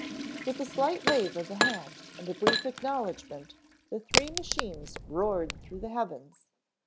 With a slight wave of the hand and a brief acknowledgement the three machines roared through the heavens.